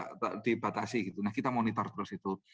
kita tidak dibatasi kita monitor terus itu